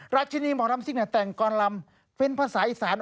ราชินีหมอลำซิกแต่งกรลำเป็นภาษาอีสาน